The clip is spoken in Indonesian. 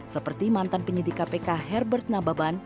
seperti mantan penyidik kpk herbert nababan